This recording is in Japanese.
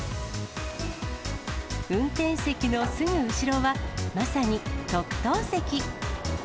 運転席のすぐ後ろは、まさに特等席。